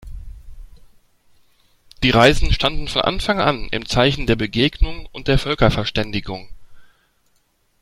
Die Reisen standen von Anfang an im Zeichen der Begegnung und der Völkerverständigung.